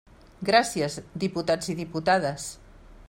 Gràcies, diputats i diputades.